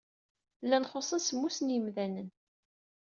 Llan xuṣṣen semmus n yimdanen.